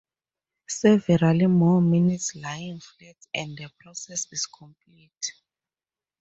Several more minutes lying flat and the process is complete.